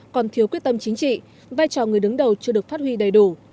còn thiếu quyết tâm chính trị vai trò người đứng đầu chưa được phát huy đầy đủ